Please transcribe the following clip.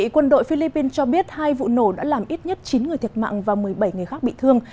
quân đội philippines cho biết hai vụ nổ đã làm ít nhất chín người thiệt mạng và một mươi bảy người khác bị thương